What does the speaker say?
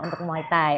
untuk muay thai